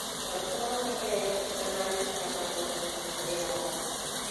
Pracovala také jako scenáristka televizního seriálu.